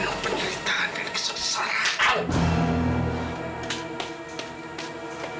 dengan penuh peneritaan dan kesesaraan